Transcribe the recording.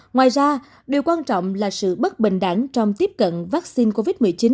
ngoài ra điều quan trọng là sự bất bình đẳng trong tiếp cận vaccine covid một mươi chín